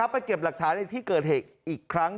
ไปเก็บหลักฐานในที่เกิดเหตุอีกครั้ง